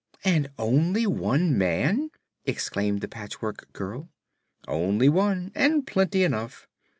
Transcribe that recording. "And only one man!" exclaimed the Patchwork Girl. "Only one, and plenty enough.